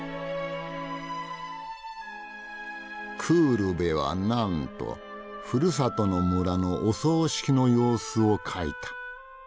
クールベはなんとふるさとの村のお葬式の様子を描いた。